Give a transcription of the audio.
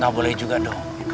gak boleh juga dong